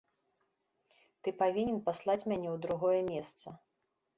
Ты павінен паслаць мяне ў другое месца.